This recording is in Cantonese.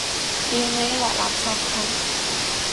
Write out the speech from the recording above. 掉你落垃圾桶！